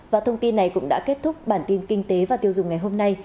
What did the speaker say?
và thông tin này cũng đã kết thúc bản tin kinh tế và tiêu dùng ngày hôm nay